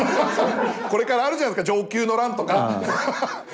これからあるじゃないですか承久の乱とか！